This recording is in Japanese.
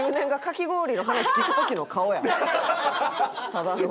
ただの。